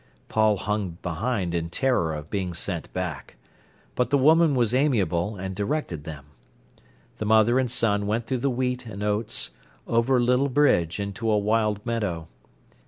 Paul hung behind in terror of being sent back. But the woman was amiable, and directed them. The mother and son went through the wheat and oats, over a little bridge into a wild meadow.